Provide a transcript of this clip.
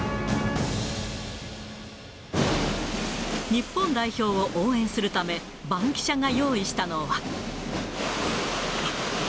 日本代表を応援するため、バンキシャが用意したのは。